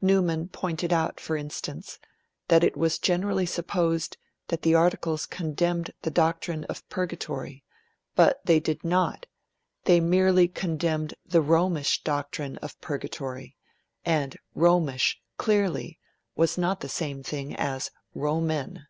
Newman pointed out, for instance, that it was generally supposed that the Articles condemned the doctrine of Purgatory; but they did not; they merely condemned the Romish doctrine of Purgatory and Romish, clearly, was not the same thing as Roman.